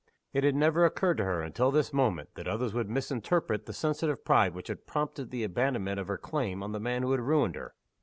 It had never occurred to her, until this moment, that others would misinterpret the sensitive pride which had prompted the abandonment of her claim on the man who had ruined her.